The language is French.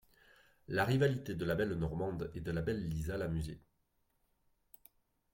La rivalité de la belle Normande et de la belle Lisa l’amusait.